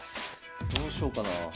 どうしようかな。